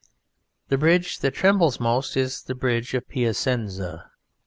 The bridge that trembles most is the Bridge of Piacenza.